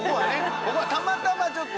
たまたま、ちょっと。